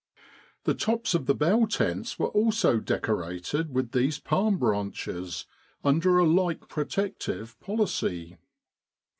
The tops of the bell tents were also decorated with these palm branches under a like protective policy.